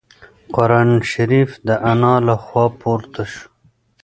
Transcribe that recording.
قرانشریف د انا له خوا پورته شو.